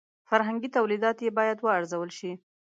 فرهنګي تولیدات یې باید وارزول شي.